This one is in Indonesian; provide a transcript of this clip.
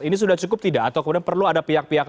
ini sudah cukup tidak atau kemudian perlu ada pihak pihak